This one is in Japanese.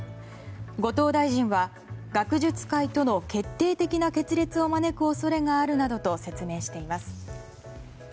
後藤大臣は学術界との決定的な決裂を招く恐れがあるなどと説明しています。